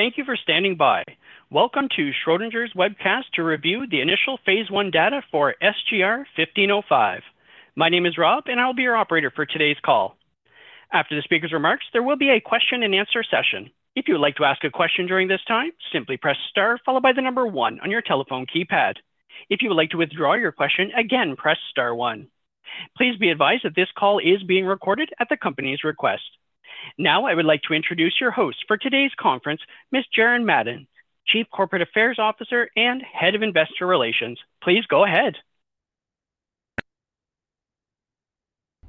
Thank you for standing by. Welcome to Schrödinger's webcast to review the phase I data for SGR-1505. My name is Rob, and I'll be your operator for today's call. After the speaker's remarks, there will be a question-and-answer session. If you would like to ask a question during this time, simply press star followed by the number one on your telephone keypad. If you would like to withdraw your question, again, press star one. Please be advised that this call is being recorded at the company's request. Now, I would like to introduce your host for today's conference, Ms. Jaren Madden, Chief Corporate Affairs Officer and Head of Investor Relations. Please go ahead.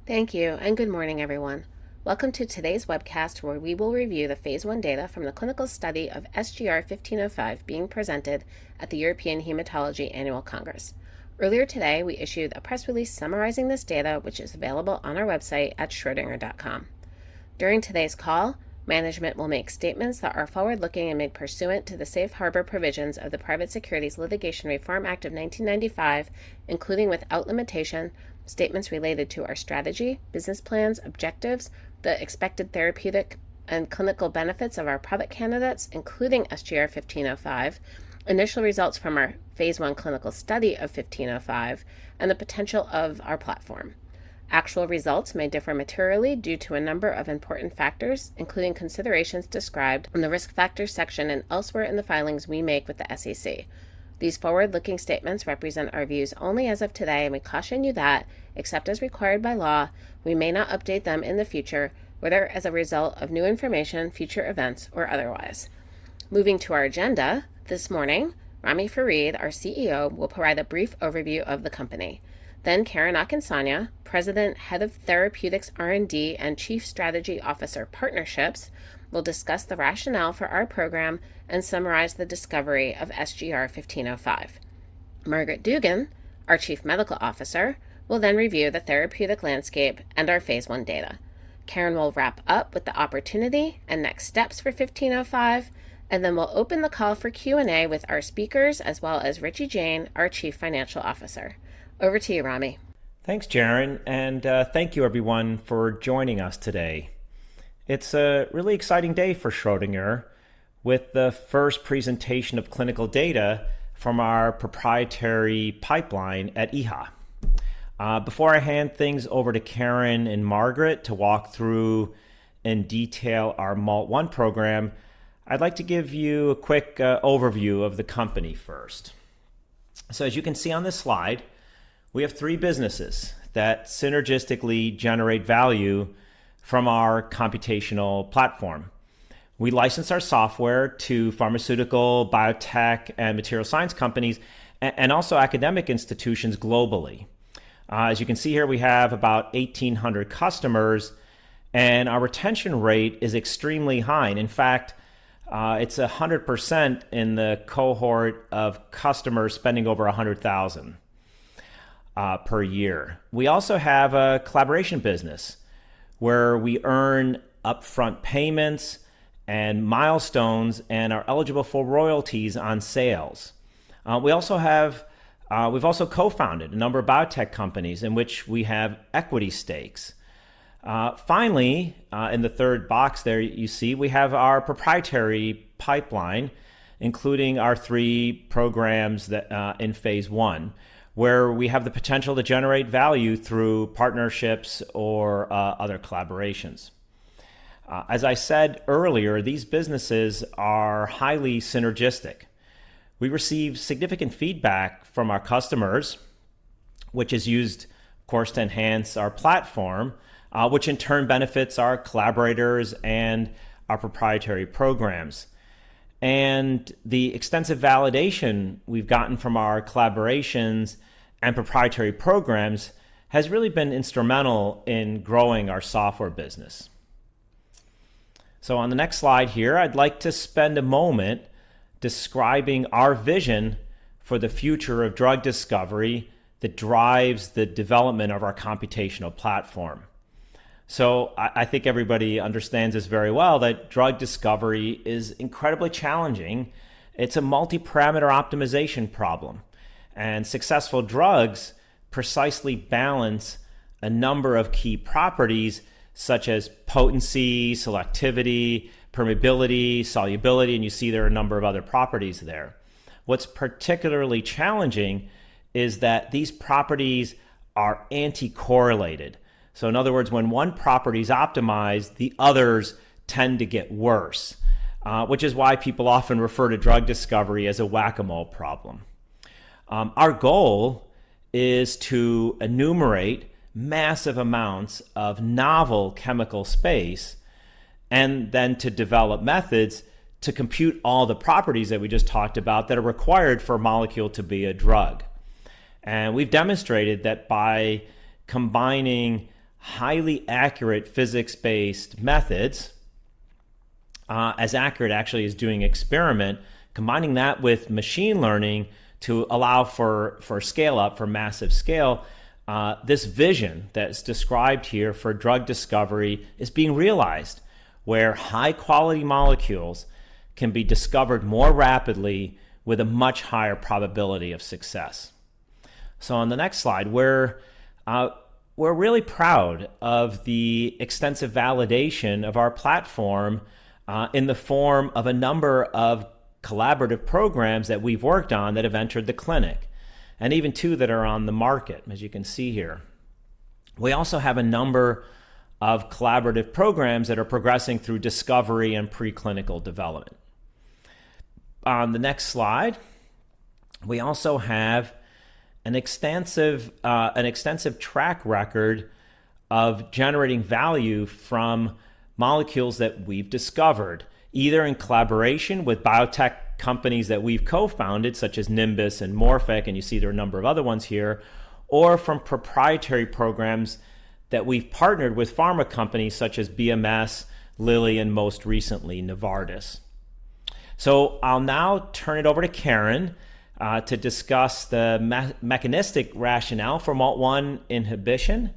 Thank you, and good morning, everyone. Welcome to today's webcast, where we will review phase I data from the clinical study of SGR-1505 being presented at the European Hematology Association Annual Congress. Earlier today, we issued a press release summarizing this data, which is available on our website at schrodinger.com. During today's call, management will make statements that are forward-looking and made pursuant to the Safe Harbor Provisions of the Private Securities Litigation Reform Act of 1995, including without limitation, statements related to our strategy, business plans, objectives, the expected therapeutic and clinical benefits of our product candidates, including SGR-1505, initial results from phase I clinical study of SGR-1505, and the potential of our platform. Actual results may differ materially due to a number of important factors, including considerations described in the risk factor section and elsewhere in the filings we make with the SEC. These forward-looking statements represent our views only as of today, and we caution you that, except as required by law, we may not update them in the future, whether as a result of new information, future events, or otherwise. Moving to our agenda, this morning, Ramy Farid, our CEO, will provide a brief overview of the company. Then, Karen Akinsanya, President, Head of Therapeutics R&D and Chief Strategy Officer Partnerships, will discuss the rationale for our program and summarize the discovery of SGR-1505. Margaret Dugan, our Chief Medical Officer, will then review the therapeutic landscape and phase I data. Karen will wrap up with the opportunity and next steps for 1505, and then we'll open the call for Q&A with our speakers, as well as Richie Jain, our Chief Financial Officer. Over to you, Ramy. Thanks, Jaren, and thank you, everyone, for joining us today. It's a really exciting day for Schrödinger with the first presentation of clinical data from our proprietary pipeline at EHA. Before I hand things over to Karen and Margaret to walk through in detail our MALT1 program, I'd like to give you a quick overview of the company first. As you can see on this slide, we have three businesses that synergistically generate value from our computational platform. We license our software to pharmaceutical, biotech, and material science companies, and also academic institutions globally. As you can see here, we have about 1,800 customers, and our retention rate is extremely high. In fact, it's 100% in the cohort of customers spending over $100,000 per year. We also have a collaboration business where we earn upfront payments and milestones and are eligible for royalties on sales. We've also co-founded a number of biotech companies in which we have equity stakes. Finally, in the third box there, you see we have our proprietary pipeline, including our three programs phase I, where we have the potential to generate value through partnerships or other collaborations. As I said earlier, these businesses are highly synergistic. We receive significant feedback from our customers, which is used, of course, to enhance our platform, which in turn benefits our collaborators and our proprietary programs. The extensive validation we've gotten from our collaborations and proprietary programs has really been instrumental in growing our software business. On the next slide here, I'd like to spend a moment describing our vision for the future of drug discovery that drives the development of our computational platform. I think everybody understands this very well, that drug discovery is incredibly challenging. It's a multi-parameter optimization problem, and successful drugs precisely balance a number of key properties such as potency, selectivity, permeability, solubility, and you see there are a number of other properties there. What's particularly challenging is that these properties are anti-correlated. In other words, when one property's optimized, the others tend to get worse, which is why people often refer to drug discovery as a Whac-A-Mole problem. Our goal is to enumerate massive amounts of novel chemical space and then to develop methods to compute all the properties that we just talked about that are required for a molecule to be a drug. We have demonstrated that by combining highly accurate physics-based methods, as accurate actually as doing experiment, combining that with machine learning to allow for scale-up, for massive scale, this vision that is described here for drug discovery is being realized, where high-quality molecules can be discovered more rapidly with a much higher probability of success. On the next slide, we are really proud of the extensive validation of our platform in the form of a number of collaborative programs that we have worked on that have entered the clinic, and even two that are on the market, as you can see here. We also have a number of collaborative programs that are progressing through discovery and preclinical development. On the next slide, we also have an extensive track record of generating value from molecules that we've discovered, either in collaboration with biotech companies that we've co-founded, such as Nimbus and Morphic, and you see there are a number of other ones here, or from proprietary programs that we've partnered with pharma companies such as BMS, Lilly, and most recently, Novartis. I'll now turn it over to Karen to discuss the mechanistic rationale for MALT1 inhibition,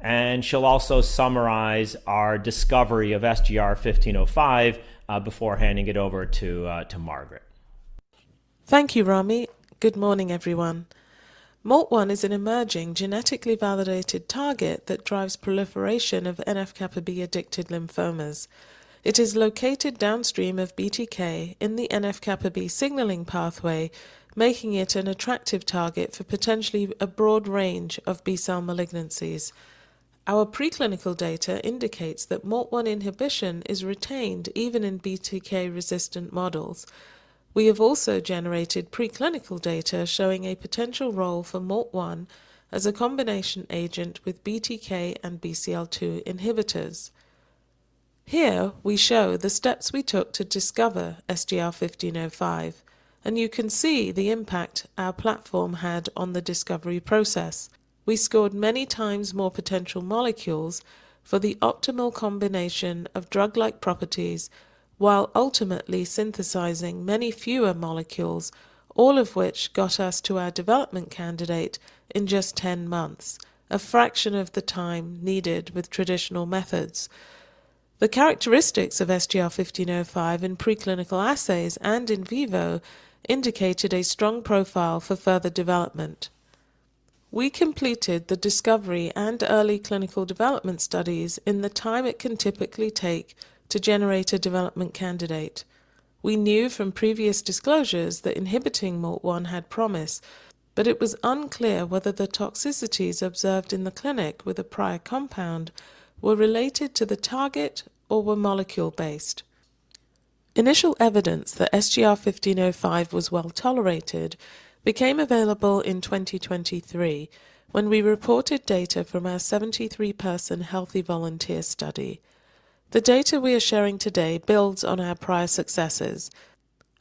and she'll also summarize our discovery of SGR-1505 before handing it over to Margaret. Thank you, Ramy. Good morning, everyone. MALT1 is an emerging genetically validated target that drives proliferation of NF-kappa B-addicted lymphomas. It is located downstream of BTK in the NF-kappa B signaling pathway, making it an attractive target for potentially a broad range of B-cell malignancies. Our preclinical data indicates that MALT1 inhibition is retained even in BTK-resistant models. We have also generated preclinical data showing a potential role for MALT1 as a combination agent with BTK and BCL2 inhibitors. Here, we show the steps we took to discover SGR-1505, and you can see the impact our platform had on the discovery process. We scored many times more potential molecules for the optimal combination of drug-like properties while ultimately synthesizing many fewer molecules, all of which got us to our development candidate in just 10 months, a fraction of the time needed with traditional methods. The characteristics of SGR-1505 in preclinical assays and in vivo indicated a strong profile for further development. We completed the discovery and early clinical development studies in the time it can typically take to generate a development candidate. We knew from previous disclosures that inhibiting MALT1 had promise, but it was unclear whether the toxicities observed in the clinic with a prior compound were related to the target or were molecule-based. Initial evidence that SGR-1505 was well tolerated became available in 2023 when we reported data from our 73-person healthy volunteer study. The data we are sharing today builds on our prior successes.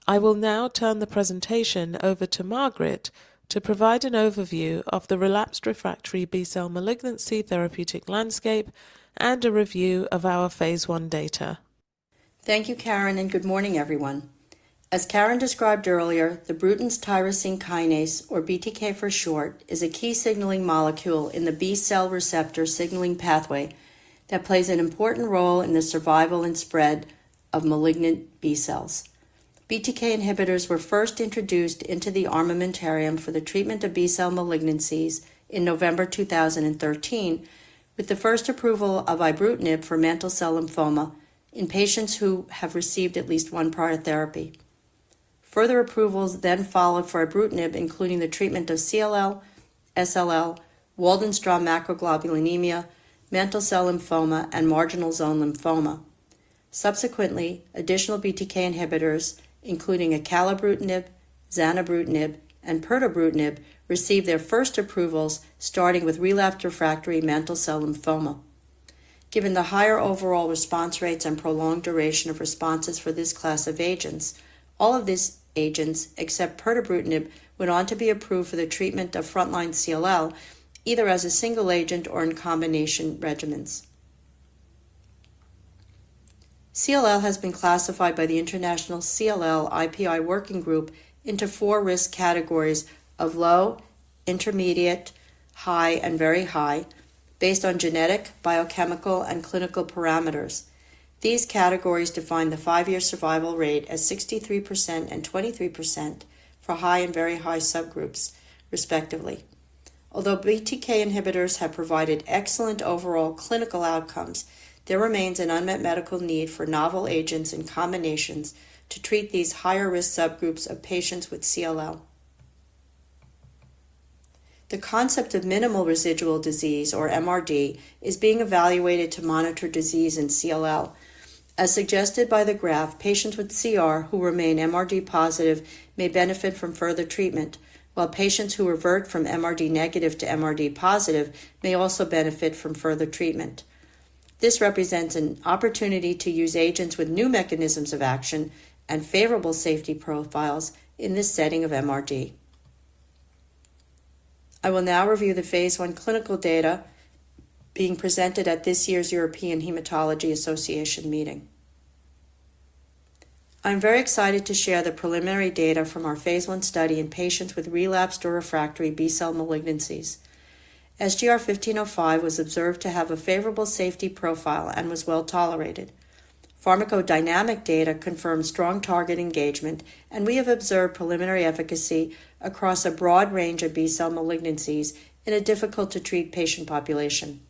I will now turn the presentation over to Margaret to provide an overview of the relapsed refractory B-cell malignancy therapeutic landscape and a review of phase I data. Thank you, Karen, and good morning, everyone. As Karen described earlier, the Bruton's tyrosine kinase, or BTK for short, is a key signaling molecule in the B-cell receptor signaling pathway that plays an important role in the survival and spread of malignant B-cells. BTK inhibitors were first introduced into the armamentarium for the treatment of B-cell malignancies in November 2013, with the first approval of ibrutinib for mantle cell lymphoma in patients who have received at least one prior therapy. Further approvals then followed for ibrutinib, including the treatment of CLL, SLL, Waldenström's macroglobulinemia, mantle cell lymphoma, and marginal zone lymphoma. Subsequently, additional BTK inhibitors, including acalabrutinib, zanubrutinib, and pirtobrutinib, received their first approvals, starting with relapsed refractory mantle cell lymphoma. Given the higher overall response rates and prolonged duration of responses for this class of agents, all of these agents, except pirtobrutinib, went on to be approved for the treatment of frontline CLL, either as a single agent or in combination regimens. CLL has been classified by the International CLL IPI Working Group into four risk categories of low, intermediate, high, and very high, based on genetic, biochemical, and clinical parameters. These categories define the five-year survival rate as 63% and 23% for high and very high subgroups, respectively. Although BTK inhibitors have provided excellent overall clinical outcomes, there remains an unmet medical need for novel agents and combinations to treat these higher-risk subgroups of patients with CLL. The concept of minimal residual disease, or MRD, is being evaluated to monitor disease in CLL. As suggested by the graph, patients with CR who remain MRD positive may benefit from further treatment, while patients who revert from MRD negative to MRD positive may also benefit from further treatment. This represents an opportunity to use agents with new mechanisms of action and favorable safety profiles in this setting of MRD. I will now review phase I clinical data being presented at this year's European Hematology Association meeting. I'm very excited to share the preliminary data from phase I study in patients with relapsed or refractory B-cell malignancies. SGR-1505 was observed to have a favorable safety profile and was well tolerated. Pharmacodynamic data confirms strong target engagement, and we have observed preliminary efficacy across a broad range of B-cell malignancies in a difficult-to-treat patient population.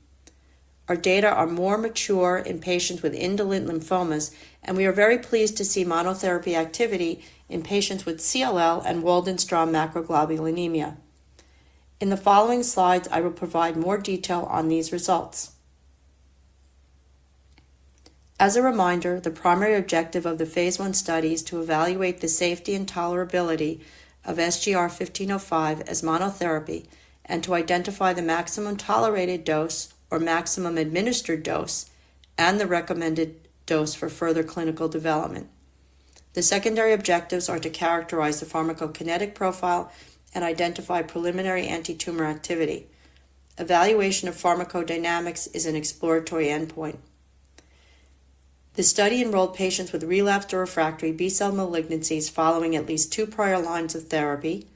Our data are more mature in patients with indolent lymphomas, and we are very pleased to see monotherapy activity in patients with CLL and Waldenström's macroglobulinemia. In the following slides, I will provide more detail on these results. As a reminder, the primary objective of phase I study is to evaluate the safety and tolerability of SGR-1505 as monotherapy and to identify the maximum tolerated dose or maximum administered dose and the recommended dose for further clinical development. The secondary objectives are to characterize the pharmacokinetic profile and identify preliminary anti-tumor activity. Evaluation of pharmacodynamics is an exploratory endpoint. The study enrolled patients with relapsed or refractory B-cell malignancies following at least two prior lines of therapy.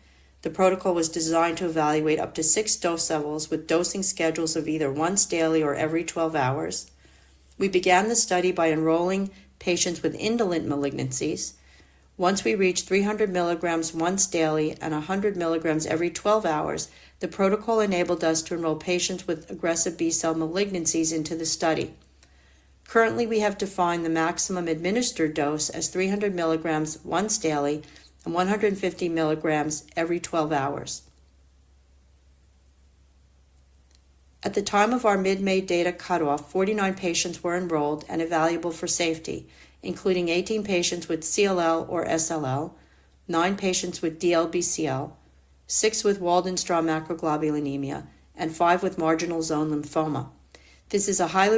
The protocol was designed to evaluate up to six dose levels with dosing schedules of either once daily or every 12 hours. We began the study by enrolling patients with indolent malignancies. Once we reached 300 milligrams once daily and 100 milligrams every 12 hours, the protocol enabled us to enroll patients with aggressive B-cell malignancies into the study. Currently, we have defined the maximum administered dose as 300 milligrams once daily and 150 milligrams every 12 hours. At the time of our mid-May data cutoff, 49 patients were enrolled and evaluable for safety, including 18 patients with CLL or SLL, 9 patients with DLBCL, 6 with Waldenström's macroglobulinemia, and 5 with marginal zone lymphoma. This is a highly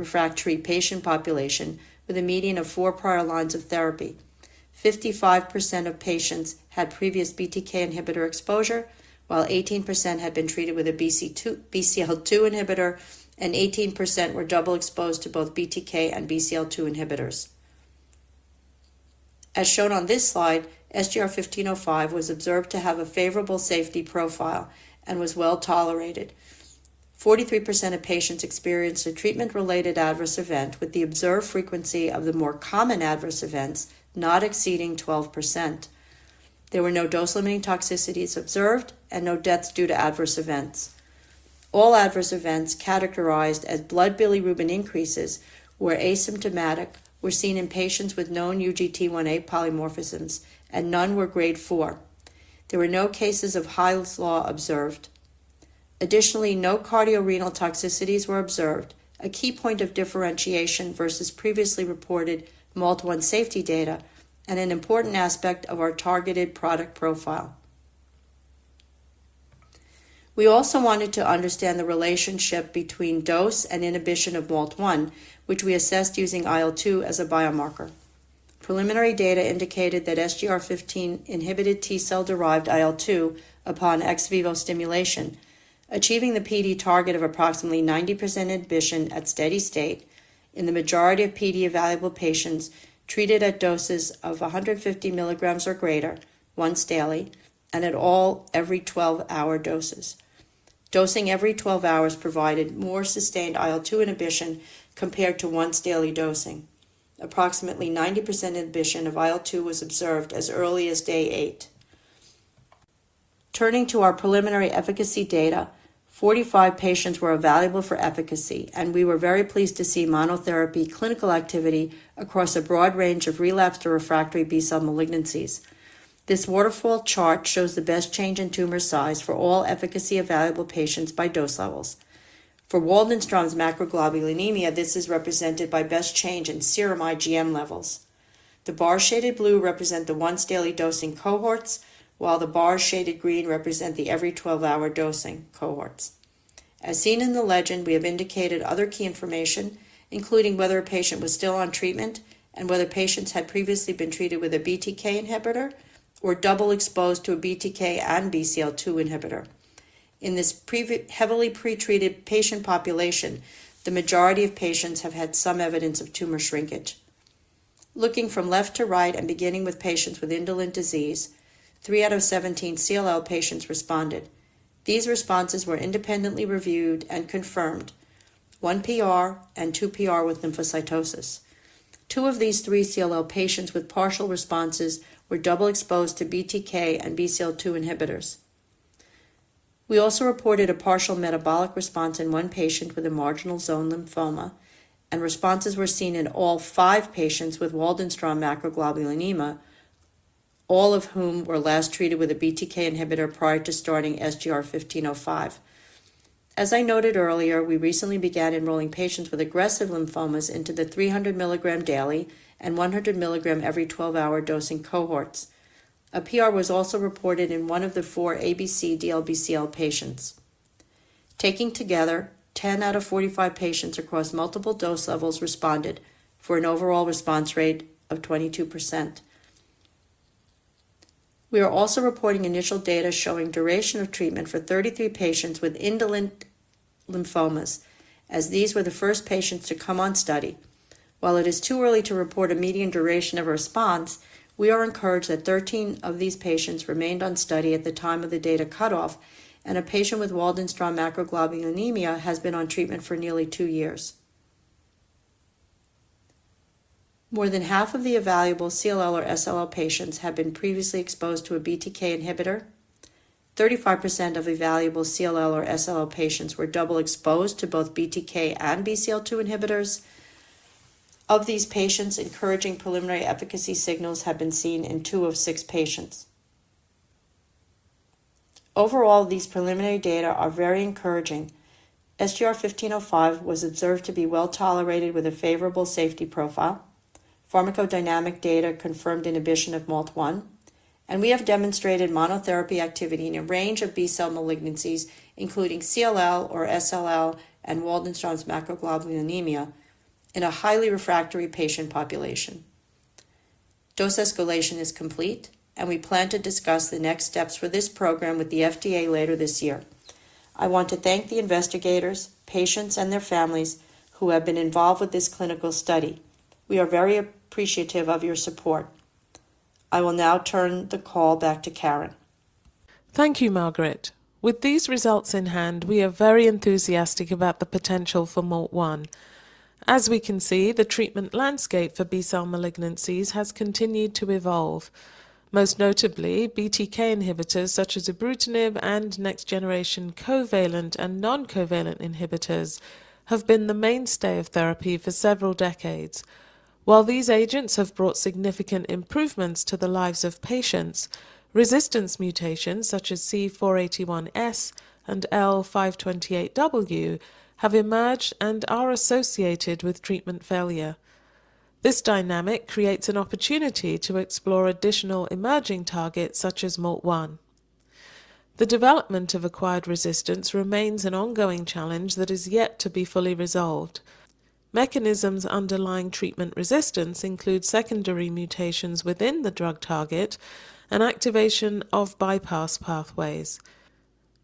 refractory patient population with a median of four prior lines of therapy. 55% of patients had previous BTK inhibitor exposure, while 18% had been treated with a BCL2 inhibitor, and 18% were double-exposed to both BTK and BCL2 inhibitors. As shown on this slide, SGR-1505 was observed to have a favorable safety profile and was well tolerated. 43% of patients experienced a treatment-related adverse event, with the observed frequency of the more common adverse events not exceeding 12%. There were no dose-limiting toxicities observed and no deaths due to adverse events. All adverse events characterized as blood bilirubin increases were asymptomatic, were seen in patients with known UGT1A polymorphisms, and none were grade 4. There were no cases of Hy's law observed. Additionally, no cardiorenal toxicities were observed, a key point of differentiation versus previously reported MALT1 safety data, and an important aspect of our targeted product profile. We also wanted to understand the relationship between dose and inhibition of MALT1, which we assessed using IL-2 as a biomarker. Preliminary data indicated that SGR-1505 inhibited T-cell-derived IL-2 upon ex vivo stimulation, achieving the PD target of approximately 90% inhibition at steady state in the majority of PD-available patients treated at doses of 150 milligrams or greater once daily and at all every 12-hour doses. Dosing every 12 hours provided more sustained IL-2 inhibition compared to once-daily dosing. Approximately 90% inhibition of IL-2 was observed as early as day eight. Turning to our preliminary efficacy data, 45 patients were evaluable for efficacy, and we were very pleased to see monotherapy clinical activity across a broad range of relapsed or refractory B-cell malignancies. This waterfall chart shows the best change in tumor size for all efficacy-available patients by dose levels. For Waldenström's macroglobulinemia, this is represented by best change in serum IgM levels. The bar-shaded blue represent the once-daily dosing cohorts, while the bar-shaded green represent the every 12-hour dosing cohorts. As seen in the legend, we have indicated other key information, including whether a patient was still on treatment and whether patients had previously been treated with a BTK inhibitor or double-exposed to a BTK and BCL2 inhibitor. In this heavily pretreated patient population, the majority of patients have had some evidence of tumor shrinkage. Looking from left to right and beginning with patients with indolent disease, three out of 17 CLL patients responded. These responses were independently reviewed and confirmed, one PR and two PR with lymphocytosis. Two of these three CLL patients with partial responses were double-exposed to BTK and BCL2 inhibitors. We also reported a partial metabolic response in one patient with a marginal zone lymphoma, and responses were seen in all five patients with Waldenström's macroglobulinemia, all of whom were last treated with a BTK inhibitor prior to starting SGR-1505. As I noted earlier, we recently began enrolling patients with aggressive lymphomas into the 300 milligram daily and 100 milligram every 12-hour dosing cohorts. A PR was also reported in one of the four ABC DLBCL patients. Taken together, 10 out of 45 patients across multiple dose levels responded for an overall response rate of 22%. We are also reporting initial data showing duration of treatment for 33 patients with indolent lymphomas, as these were the first patients to come on study. While it is too early to report a median duration of response, we are encouraged that 13 of these patients remained on study at the time of the data cutoff, and a patient with Waldenström's macroglobulinemia has been on treatment for nearly two years. More than half of the evaluable CLL or SLL patients have been previously exposed to a BTK inhibitor. 35% of evaluable CLL or SLL patients were double-exposed to both BTK and BCL2 inhibitors. Of these patients, encouraging preliminary efficacy signals have been seen in two of six patients. Overall, these preliminary data are very encouraging. SGR-1505 was observed to be well tolerated with a favorable safety profile. Pharmacodynamic data confirmed inhibition of MALT1, and we have demonstrated monotherapy activity in a range of B-cell malignancies, including CLL or SLL and Waldenström's macroglobulinemia, in a highly refractory patient population. Dose escalation is complete, and we plan to discuss the next steps for this program with the FDA later this year. I want to thank the investigators, patients, and their families who have been involved with this clinical study. We are very appreciative of your support. I will now turn the call back to Karen. Thank you, Margaret. With these results in hand, we are very enthusiastic about the potential for MALT1. As we can see, the treatment landscape for B-cell malignancies has continued to evolve. Most notably, BTK inhibitors such as ibrutinib and next generation covalent and non-covalent inhibitors have been the mainstay of therapy for several decades. While these agents have brought significant improvements to the lives of patients, resistance mutations such as C481S and L528W have emerged and are associated with treatment failure. This dynamic creates an opportunity to explore additional emerging targets such as MALT1. The development of acquired resistance remains an ongoing challenge that is yet to be fully resolved. Mechanisms underlying treatment resistance include secondary mutations within the drug target and activation of bypass pathways.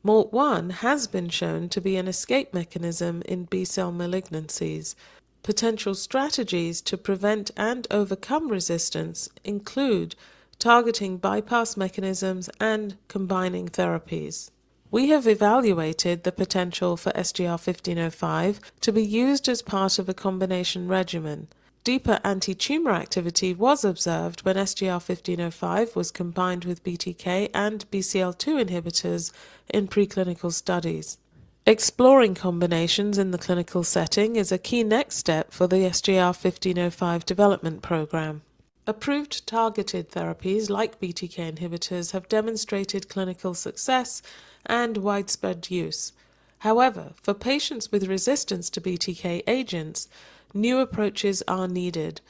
MALT1 has been shown to be an escape mechanism in B-cell malignancies. Potential strategies to prevent and overcome resistance include targeting bypass mechanisms and combining therapies. We have evaluated the potential for SGR-1505 to be used as part of a combination regimen. Deeper anti-tumor activity was observed when SGR-1505 was combined with BTK and BCL2 inhibitors in preclinical studies. Exploring combinations in the clinical setting is a key next step for the SGR-1505 development program. Approved targeted therapies like BTK inhibitors have demonstrated clinical success and widespread use. However, for patients with resistance to BTK agents, new approaches are needed.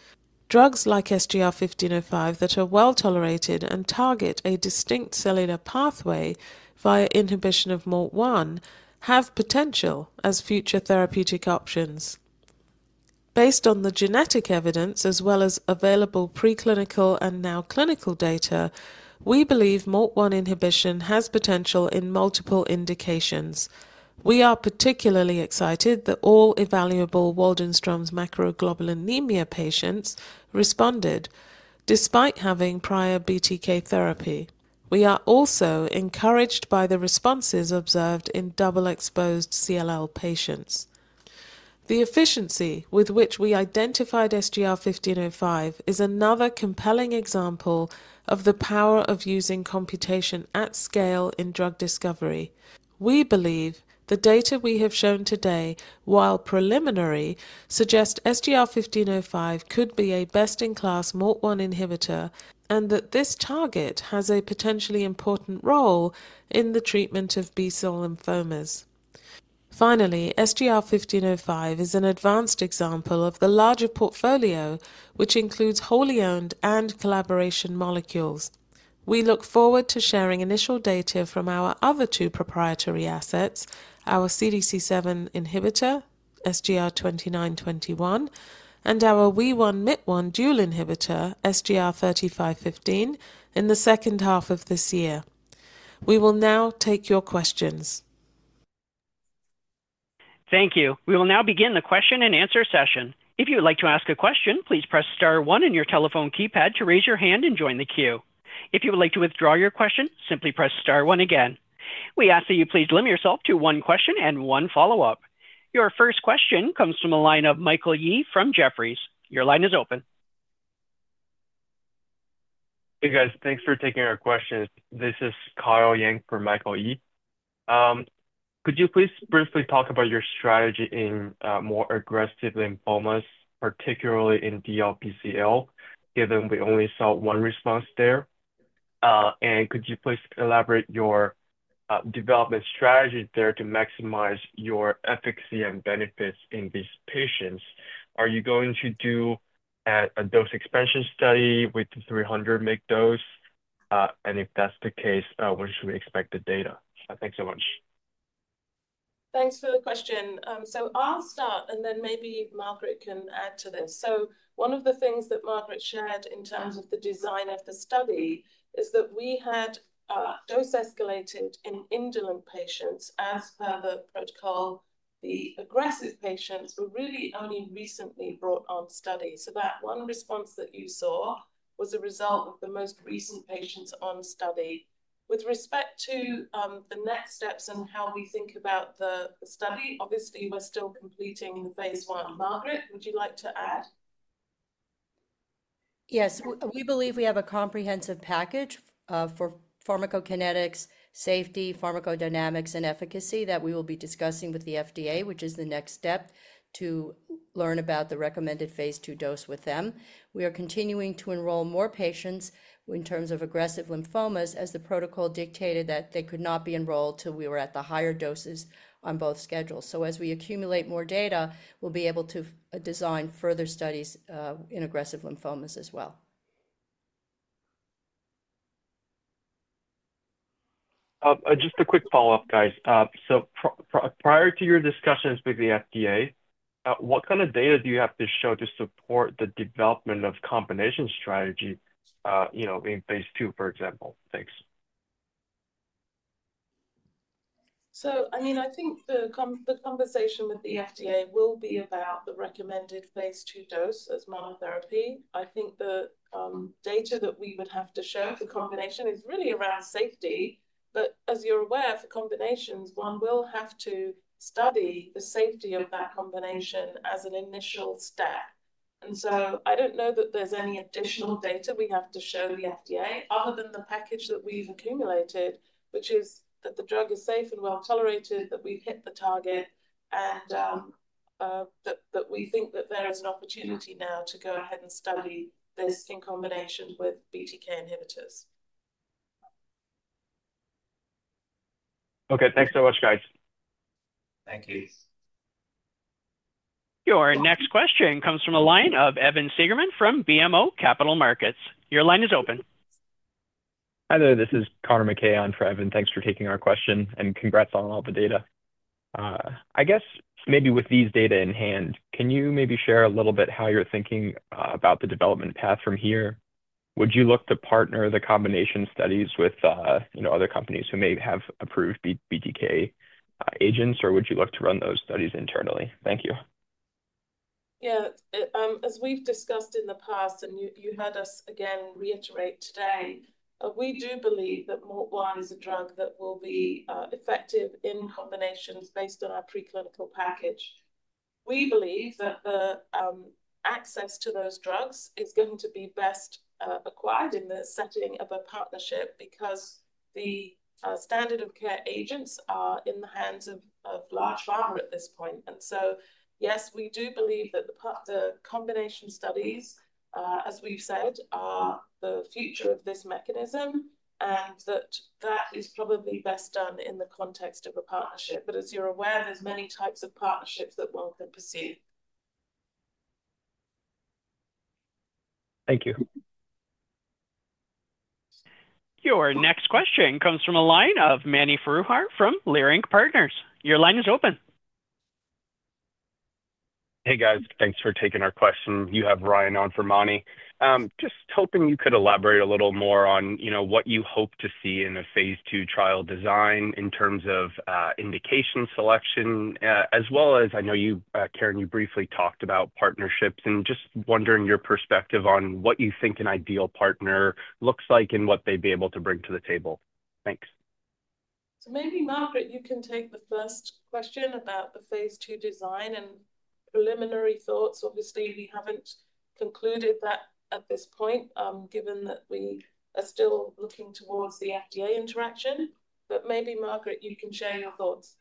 Drugs like SGR-1505 that are well tolerated and target a distinct cellular pathway via inhibition of MALT1 have potential as future therapeutic options. Based on the genetic evidence, as well as available preclinical and now clinical data, we believe MALT1 inhibition has potential in multiple indications. We are particularly excited that all evaluable Waldenström's macroglobulinemia patients responded, despite having prior BTK therapy. We are also encouraged by the responses observed in double-exposed CLL patients. The efficiency with which we identified SGR-1505 is another compelling example of the power of using computation at scale in drug discovery. We believe the data we have shown today, while preliminary, suggest SGR-1505 could be a best-in-class MALT1 inhibitor and that this target has a potentially important role in the treatment of B-cell lymphomas. Finally, SGR-1505 is an advanced example of the larger portfolio, which includes wholly owned and collaboration molecules. We look forward to sharing initial data from our other two proprietary assets, our CDC7 inhibitor, SGR-2921, and our Wee1/Myt1 dual inhibitor, SGR-3515, in the second half of this year. We will now take your questions. Thank you. We will now begin the question-and-answer session. If you would like to ask a question, please press star one on your telephone keypad to raise your hand and join the queue. If you would like to withdraw your question, simply press star one again. We ask that you please limit yourself to one question and one follow-up. Your first question comes from the line of Michael Yee from Jefferies. Your line is open. Hey, guys. Thanks for taking our questions. This is Kyle Yang from Michael Yee. Could you please briefly talk about your strategy in more aggressive lymphomas, particularly in DLBCL, given we only saw one response there? Could you please elaborate your development strategy there to maximize your efficacy and benefits in these patients? Are you going to do a dose expansion study with 300 mcg dose? If that's the case, when should we expect the data? Thanks so much. Thanks for the question. I'll start, and then maybe Margaret can add to this. One of the things that Margaret shared in terms of the design of the study is that we had dose-escalated in indolent patients as per the protocol. The aggressive patients were really only recently brought on study. That one response that you saw was a result of the most recent patients on study. With respect to the next steps and how we think about the study, obviously, we're still completing the phase one. Margaret, would you like to add? Yes. We believe we have a comprehensive package for pharmacokinetics, safety, pharmacodynamics, and efficacy that we will be discussing with the FDA, which is the next step to learn about the recommended phase II dose with them. We are continuing to enroll more patients in terms of aggressive lymphomas as the protocol dictated that they could not be enrolled till we were at the higher doses on both schedules. As we accumulate more data, we'll be able to design further studies in aggressive lymphomas as well. Just a quick follow-up, guys. Prior to your discussions with the FDA, what kind of data do you have to show to support the development of combination strategy in phase II, for example? Thanks. I mean, I think the conversation with the FDA will be about the recommended phase II dose as monotherapy. I think the data that we would have to show for combination is really around safety. As you're aware, for combinations, one will have to study the safety of that combination as an initial step. I don't know that there's any additional data we have to show the FDA other than the package that we've accumulated, which is that the drug is safe and well tolerated, that we've hit the target, and that we think that there is an opportunity now to go ahead and study this in combination with BTK inhibitors. Okay. Thanks so much, guys. Thank you. Your next question comes from a line of Evan Segerman from BMO Capital Markets. Your line is open. Hi there. This is Conor McKay on for Evan. Thanks for taking our question and congrats on all the data. I guess maybe with these data in hand, can you maybe share a little bit how you're thinking about the development path from here? Would you look to partner the combination studies with other companies who may have approved BTK agents, or would you look to run those studies internally? Thank you. Yeah. As we've discussed in the past, and you had us again reiterate today, we do believe that MALT1 is a drug that will be effective in combinations based on our preclinical package. We believe that the access to those drugs is going to be best acquired in the setting of a partnership because the standard of care agents are in the hands of large pharma at this point. Yes, we do believe that the combination studies, as we've said, are the future of this mechanism and that that is probably best done in the context of a partnership. As you're aware, there's many types of partnerships that one can pursue. Thank you. Your next question comes from a line of Mani Foroohar from Leerink Partners. Your line is open. Hey, guys. Thanks for taking our question. You have Ryan on for Manny. Just hoping you could elaborate a little more on what you hope to see in a phase II trial design in terms of indication selection, as well as I know you, Karen, you briefly talked about partnerships, and just wondering your perspective on what you think an ideal partner looks like and what they'd be able to bring to the table. Thanks. Maybe, Margaret, you can take the first question about the phase II design and preliminary thoughts. Obviously, we haven't concluded that at this point, given that we are still looking towards the FDA interaction. Maybe, Margaret, you can share your thoughts.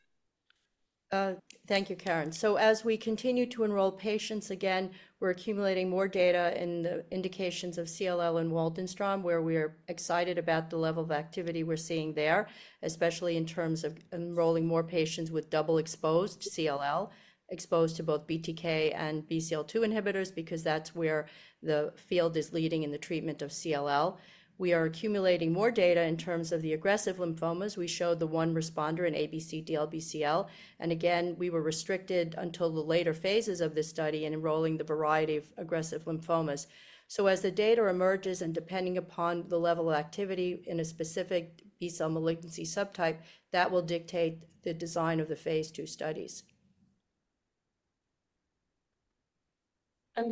Thank you, Karen. As we continue to enroll patients again, we're accumulating more data in the indications of CLL and Waldenström, where we are excited about the level of activity we're seeing there, especially in terms of enrolling more patients with double-exposed CLL exposed to both BTK and BCL2 inhibitors because that's where the field is leading in the treatment of CLL. We are accumulating more data in terms of the aggressive lymphomas. We showed the one responder in ABC DLBCL. Again, we were restricted until the later phases of this study in enrolling the variety of aggressive lymphomas. As the data emerges and depending upon the level of activity in a specific B-cell malignancy subtype, that will dictate the design of the phase II studies.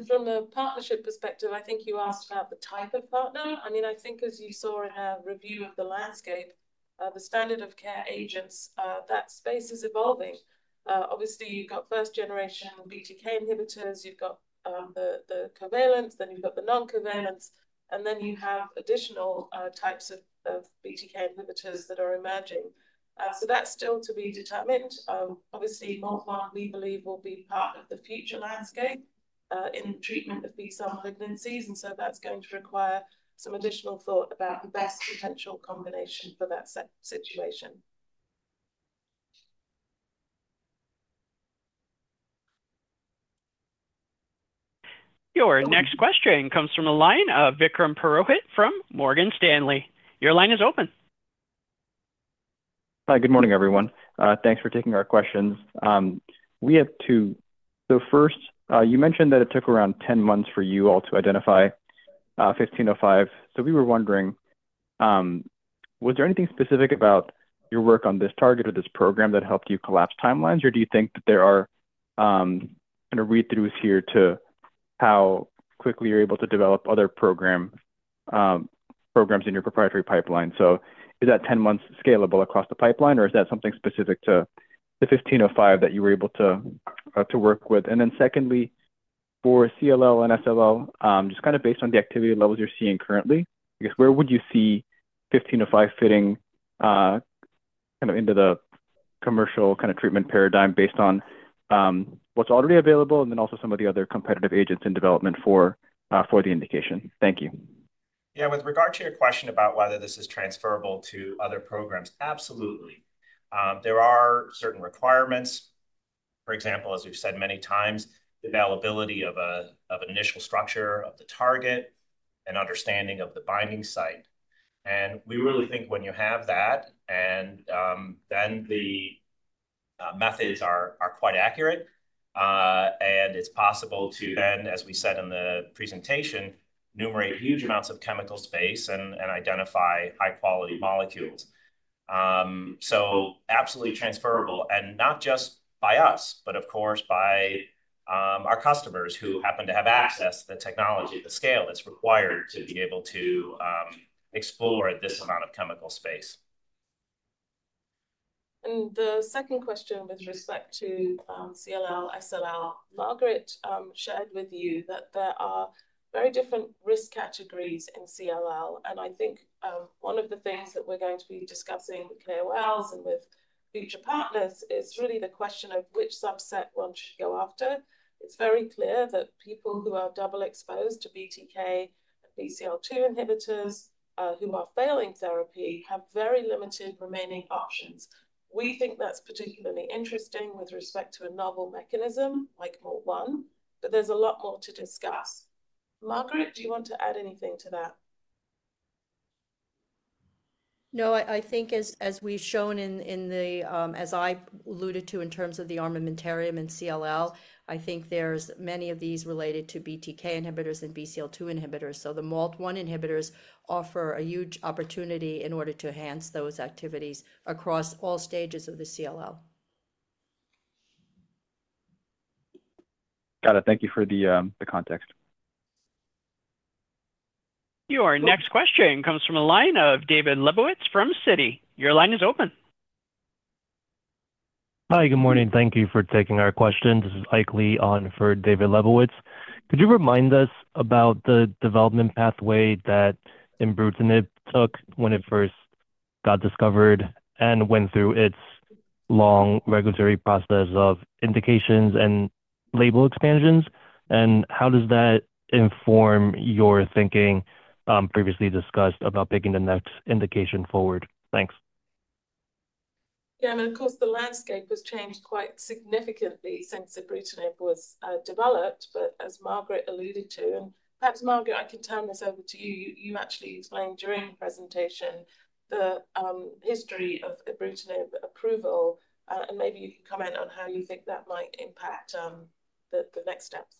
From a partnership perspective, I think you asked about the type of partner. I mean, I think as you saw in our review of the landscape, the standard of care agents, that space is evolving. Obviously, you've got first-generation BTK inhibitors, you've got the covalents, then you've got the non-covalents, and then you have additional types of BTK inhibitors that are emerging. That is still to be determined. Obviously, MALT1, we believe, will be part of the future landscape in treatment of B-cell malignancies. That is going to require some additional thought about the best potential combination for that situation. Your next question comes from a line of Vikram Porochit from Morgan Stanley. Your line is open. Hi, good morning, everyone. Thanks for taking our questions. We have two. First, you mentioned that it took around 10 months for you all to identify 1505. We were wondering, was there anything specific about your work on this target or this program that helped you collapse timelines, or do you think that there are kind of read-throughs here to how quickly you're able to develop other programs in your proprietary pipeline? Is that 10 months scalable across the pipeline, or is that something specific to the 1505 that you were able to work with? For CLL and SLL, just kind of based on the activity levels you're seeing currently, I guess, where would you see 1505 fitting kind of into the commercial kind of treatment paradigm based on what's already available and then also some of the other competitive agents in development for the indication? Thank you. Yeah. With regard to your question about whether this is transferable to other programs, absolutely. There are certain requirements. For example, as we've said many times, the availability of an initial structure of the target and understanding of the binding site. We really think when you have that, and then the methods are quite accurate, it's possible to then, as we said in the presentation, numerate huge amounts of chemical space and identify high-quality molecules. Absolutely transferable, and not just by us, but of course by our customers who happen to have access to the technology, the scale that's required to be able to explore this amount of chemical space. The second question with respect to CLL, SLL, Margaret shared with you that there are very different risk categories in CLL. I think one of the things that we're going to be discussing with KOLs and with future partners is really the question of which subset one should go after. It's very clear that people who are double-exposed to BTK and BCL2 inhibitors who are failing therapy have very limited remaining options. We think that's particularly interesting with respect to a novel mechanism like MALT1, but there's a lot more to discuss. Margaret, do you want to add anything to that? No, I think as we've shown in the, as I alluded to in terms of the armamentarium in CLL, I think there's many of these related to BTK inhibitors and BCL2 inhibitors. The MALT1 inhibitors offer a huge opportunity in order to enhance those activities across all stages of the CLL. Got it. Thank you for the context. Your next question comes from a line of David Lebowitz from Citi. Your line is open. Hi, good morning. Thank you for taking our questions. This is Ike Lee on for David Lebowitz. Could you remind us about the development pathway that Ibrutinib took when it first got discovered and went through its long regulatory process of indications and label expansions? How does that inform your thinking previously discussed about picking the next indication forward? Thanks. Yeah. The landscape has changed quite significantly since Ibrutinib was developed. As Margaret alluded to, and perhaps, Margaret, I can turn this over to you. You actually explained during the presentation the history of Ibrutinib approval. Maybe you can comment on how you think that might impact the next steps.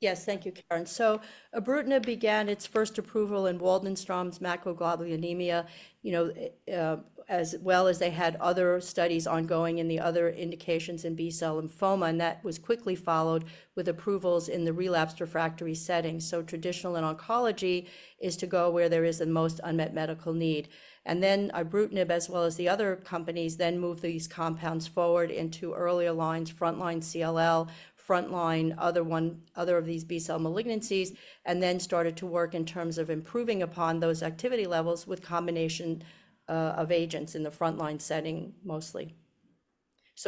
Yes, thank you, Karen. Imbruvica began its first approval in Waldenström's macroglobulinemia as well as they had other studies ongoing in the other indications in B-cell lymphoma. That was quickly followed with approvals in the relapsed refractory setting. Traditional in oncology is to go where there is the most unmet medical need. Imbruvica, as well as the other companies, then moved these compounds forward into earlier lines, frontline CLL, frontline other of these B-cell malignancies, and then started to work in terms of improving upon those activity levels with combination of agents in the frontline setting mostly.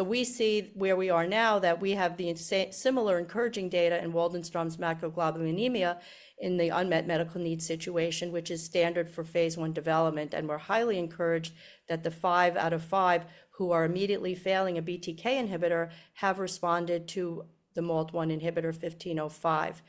We see where we are now that we have the similar encouraging data in Waldenström's macroglobulinemia in the unmet medical need situation, which is standard phase I development. We are highly encouraged that the five out of five who are immediately failing a BTK inhibitor have responded to the MALT1 inhibitor 1505.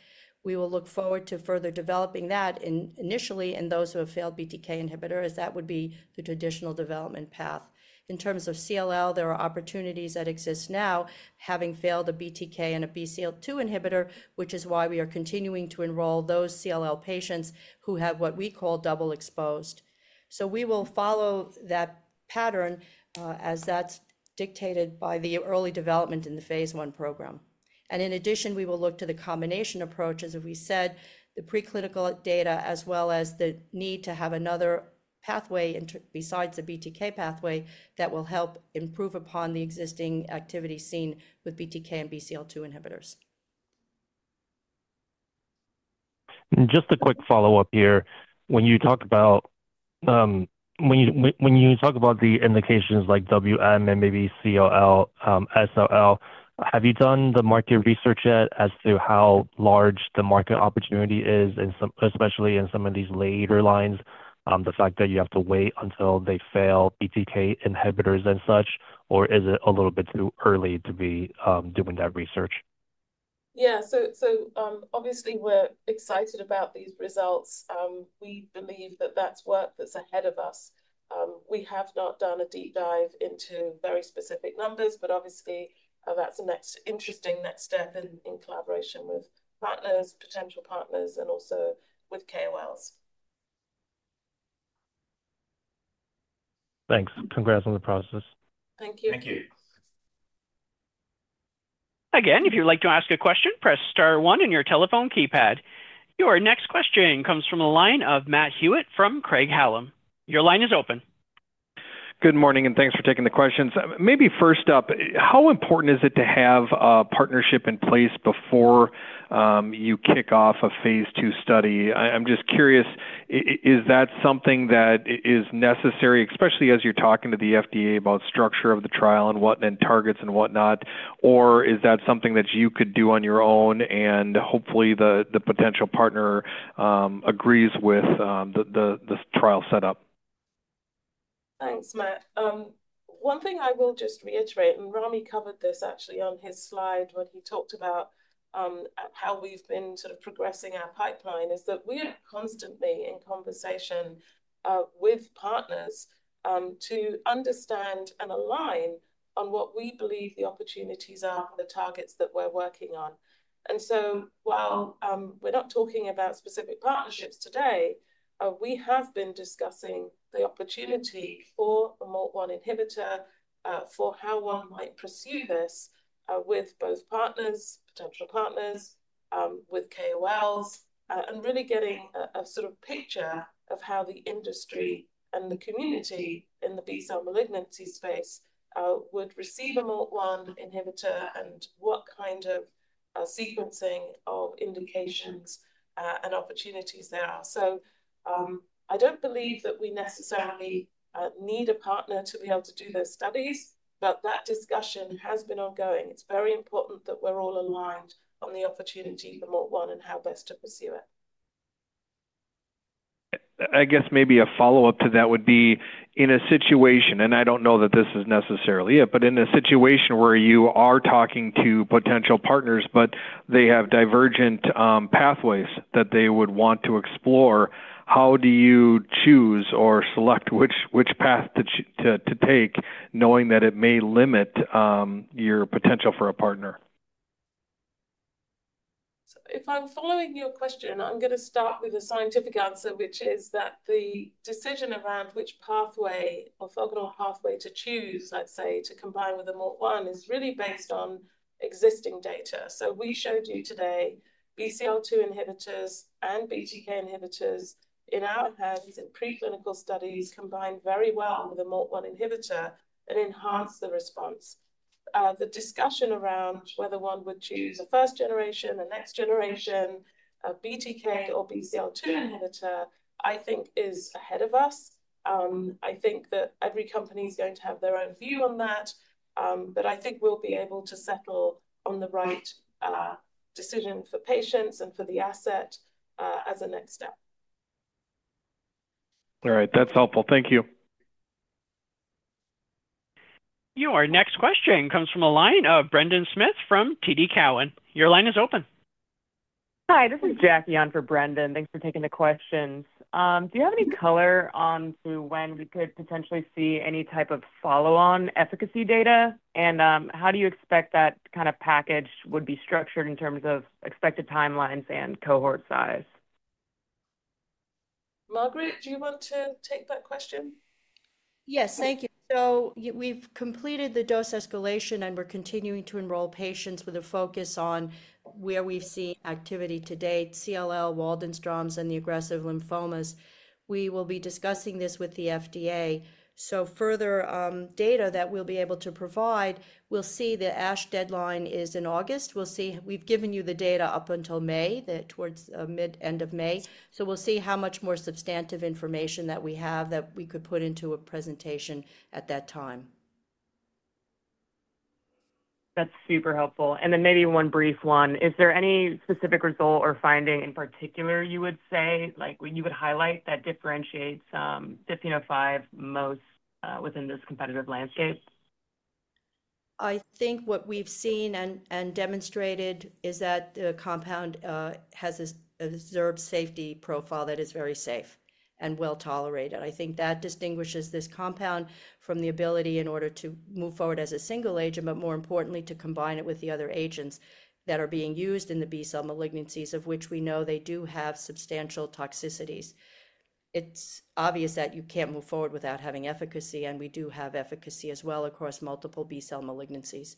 We will look forward to further developing that initially in those who have failed BTK inhibitor, as that would be the traditional development path. In terms of CLL, there are opportunities that exist now, having failed a BTK and a BCL2 inhibitor, which is why we are continuing to enroll those CLL patients who have what we call double-exposed. We will follow that pattern as that is dictated by the early development in the phase one program. In addition, we will look to the combination approach, as we said, the preclinical data as well as the need to have another pathway besides the BTK pathway that will help improve upon the existing activity seen with BTK and BCL2 inhibitors. Just a quick follow-up here. When you talk about the indications like WM and maybe CLL, SLL, have you done the market research yet as to how large the market opportunity is, especially in some of these later lines, the fact that you have to wait until they fail BTK inhibitors and such? Is it a little bit too early to be doing that research? Yeah. Obviously, we're excited about these results. We believe that that's work that's ahead of us. We have not done a deep dive into very specific numbers, but obviously, that's an interesting next step in collaboration with partners, potential partners, and also with KOLs. Thanks. Congrats on the process. Thank you. Thank you. Again, if you'd like to ask a question, press star 1 on your telephone keypad. Your next question comes from a line of Matt Hewitt from Craig-Hallum. Your line is open. Good morning, and thanks for taking the questions. Maybe first up, how important is it to have a partnership in place before you kick off a phase II study? I'm just curious, is that something that is necessary, especially as you're talking to the FDA about structure of the trial and targets and whatnot, or is that something that you could do on your own and hopefully the potential partner agrees with the trial setup? Thanks, Matt. One thing I will just reiterate, and Ramy covered this actually on his slide when he talked about how we've been sort of progressing our pipeline, is that we are constantly in conversation with partners to understand and align on what we believe the opportunities are for the targets that we're working on. While we're not talking about specific partnerships today, we have been discussing the opportunity for a MALT1 inhibitor, for how one might pursue this with both partners, potential partners, with KOLs, and really getting a sort of picture of how the industry and the community in the B-cell malignancy space would receive a MALT1 inhibitor and what kind of sequencing of indications and opportunities there are. I don't believe that we necessarily need a partner to be able to do those studies, but that discussion has been ongoing. It's very important that we're all aligned on the opportunity for MALT1 and how best to pursue it. I guess maybe a follow-up to that would be in a situation, and I don't know that this is necessarily it, but in a situation where you are talking to potential partners, but they have divergent pathways that they would want to explore, how do you choose or select which path to take knowing that it may limit your potential for a partner? If I'm following your question, I'm going to start with a scientific answer, which is that the decision around which pathway or fungal pathway to choose, let's say, to combine with a MALT1 is really based on existing data. We showed you today BCL2 inhibitors and BTK inhibitors in our hands in preclinical studies combined very well with a MALT1 inhibitor and enhanced the response. The discussion around whether one would choose a first-generation, a next-generation, a BTK or BCL2 inhibitor, I think is ahead of us. I think that every company is going to have their own view on that, but I think we'll be able to settle on the right decision for patients and for the asset as a next step. All right. That's helpful. Thank you. Your next question comes from a line of Brendan Smith from TD Cowen. Your line is open. Hi, this is Jackie on for Brendan. Thanks for taking the questions. Do you have any color onto when we could potentially see any type of follow-on efficacy data? How do you expect that kind of package would be structured in terms of expected timelines and cohort size? Margaret, do you want to take that question? Yes, thank you. We've completed the dose escalation, and we're continuing to enroll patients with a focus on where we've seen activity to date, CLL, Waldenström's, and the aggressive lymphomas. We will be discussing this with the FDA. Further data that we'll be able to provide, we'll see the ASH deadline is in August. We've given you the data up until May, towards mid-end of May. We'll see how much more substantive information that we have that we could put into a presentation at that time. That's super helpful. Maybe one brief one. Is there any specific result or finding in particular you would say, you would highlight that differentiates 1505 most within this competitive landscape? I think what we've seen and demonstrated is that the compound has a reserved safety profile that is very safe and well tolerated. I think that distinguishes this compound from the ability in order to move forward as a single agent, but more importantly, to combine it with the other agents that are being used in the B-cell malignancies, of which we know they do have substantial toxicities. It's obvious that you can't move forward without having efficacy, and we do have efficacy as well across multiple B-cell malignancies.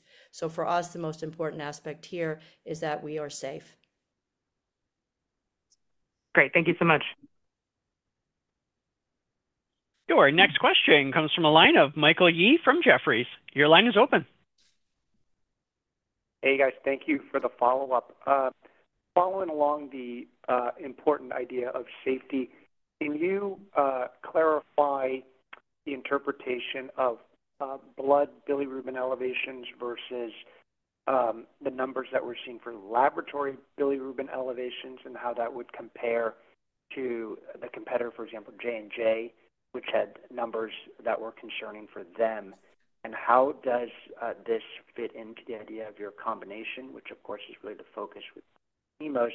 For us, the most important aspect here is that we are safe. Great. Thank you so much. Your next question comes from a line of Michael Yee from Jefferies. Your line is open. Hey, guys. Thank you for the follow-up. Following along the important idea of safety, can you clarify the interpretation of blood bilirubin elevations versus the numbers that we're seeing for laboratory bilirubin elevations and how that would compare to the competitor, for example, J&J, which had numbers that were concerning for them? How does this fit into the idea of your combination, which of course is really the focus with EMOs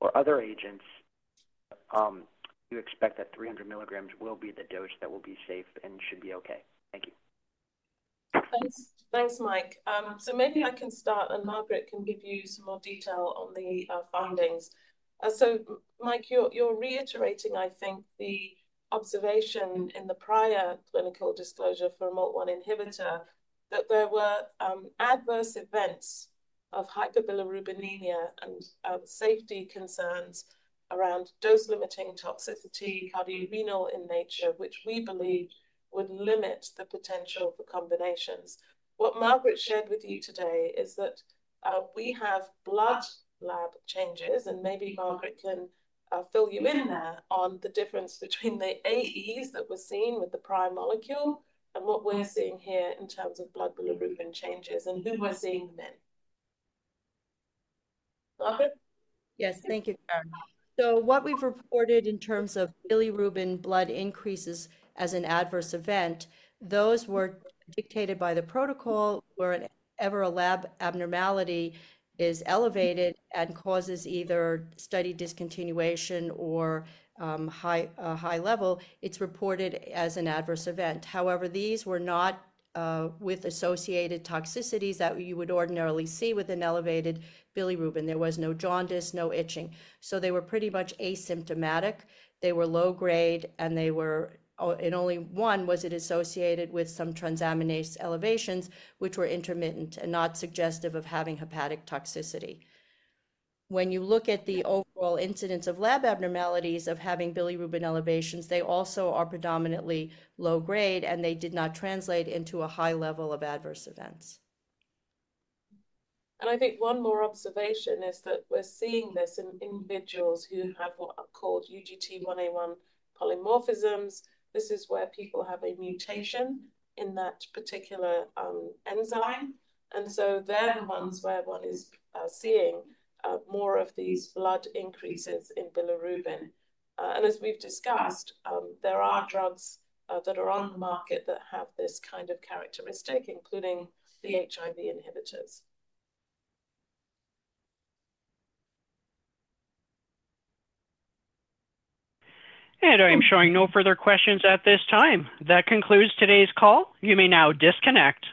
or other agents? You expect that 300 milligrams will be the dose that will be safe and should be okay. Thank you. Thanks, Mike. Maybe I can start, and Margaret can give you some more detail on the findings. Mike, you're reiterating, I think, the observation in the prior clinical disclosure for MALT1 inhibitor that there were adverse events of hyperbilirubinemia and safety concerns around dose-limiting toxicity, cardiorenal in nature, which we believe would limit the potential for combinations. What Margaret shared with you today is that we have blood lab changes, and maybe Margaret can fill you in there on the difference between the AEs that were seen with the prime molecule and what we're seeing here in terms of blood bilirubin changes and who we're seeing them in. Margaret? Yes, thank you, Karen. What we've reported in terms of bilirubin blood increases as an adverse event, those were dictated by the protocol where ever a lab abnormality is elevated and causes either study discontinuation or high level, it's reported as an adverse event. However, these were not with associated toxicities that you would ordinarily see with an elevated bilirubin. There was no jaundice, no itching. They were pretty much asymptomatic. They were low grade, and only one was it associated with some transaminase elevations, which were intermittent and not suggestive of having hepatic toxicity. When you look at the overall incidence of lab abnormalities of having bilirubin elevations, they also are predominantly low grade, and they did not translate into a high level of adverse events. I think one more observation is that we're seeing this in individuals who have what are called UGT1A1 polymorphisms. This is where people have a mutation in that particular enzyme. They're the ones where one is seeing more of these blood increases in bilirubin. As we've discussed, there are drugs that are on the market that have this kind of characteristic, including the HIV inhibitors. I am showing no further questions at this time. That concludes today's call. You may now disconnect.